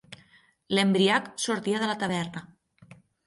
L'embriac sortia de la taverna.